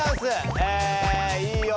えいいよ。